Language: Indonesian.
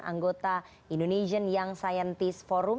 anggota indonesian young scientist forum